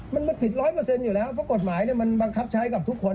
มันผิด๑๐๐อยู่แล้วเพราะกฎหมายมันบังคับใช้กับทุกคน